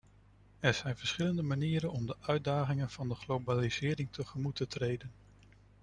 Er zijn verschillende manieren om de uitdagingen van de globalisering tegemoet te treden.